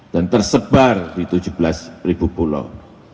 dan tersebar di tujuh belas pulau